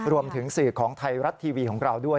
รวมถึงสื่อของไทยรัฐทีวีของเราด้วย